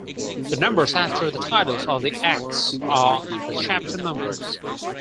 The numbers after the titles of the Acts are the chapter numbers.